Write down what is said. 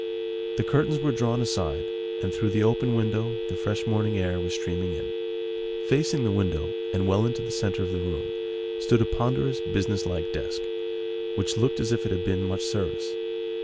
The curtains were drawn aside, and through the open window the fresh morning air was streaming in. Facing the window, and well into the centre of the room, stood a ponderous business like desk, which looked as if it had seen much service.